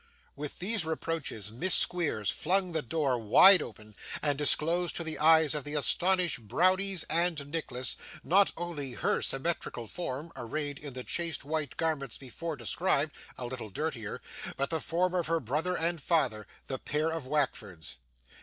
With these reproaches Miss Squeers flung the door wide open, and disclosed to the eyes of the astonished Browdies and Nicholas, not only her own symmetrical form, arrayed in the chaste white garments before described (a little dirtier), but the form of her brother and father, the pair of Wackfords.